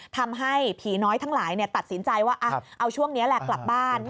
ทำให้ผีน้อยทั้งหลายตัดสินใจว่าเอาช่วงนี้แหละกลับบ้าน